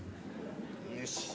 よし。